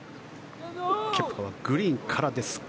ケプカはグリーンからですが。